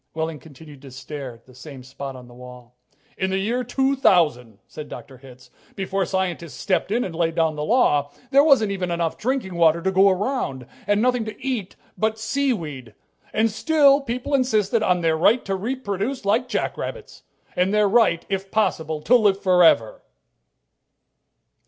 Wehling continued to stare at the same spot on the wall. "In the year 2000," said Dr. Hitz, "before scientists stepped in and laid down the law, there wasn't even enough drinking water to go around, and nothing to eat but sea weed and still people insisted on their right to reproduce like jackrabbits. And their right, if possible, to live forever."